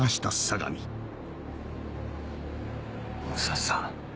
武蔵さん？